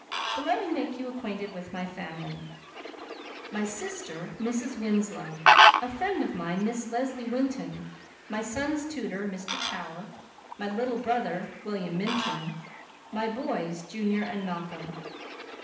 But let me make you acquainted with my family. My sister, Mrs. Winslow, a friend of mine, Miss Leslie Winton; my sons' tutor, Mr. Tower; my little brother, William Minturn; my boys, Junior and Malcolm."